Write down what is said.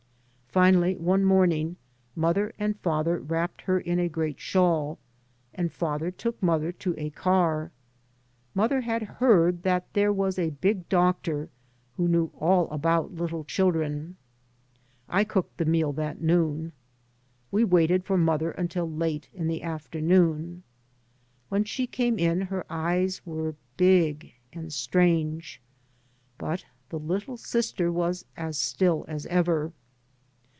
Finally one morning mother and father wrapped her in a great shawl, and father took mother to a car. Mother had heard that there was a big doctor who knew all about little children. I cooked the meat that noon. We waited for mother until late in the afternoon. When she came in her eyes were big and strange, but the little sister was as still as ever.